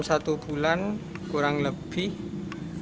ketika kura kura diberi sayuran kura kura bisa diberi sayuran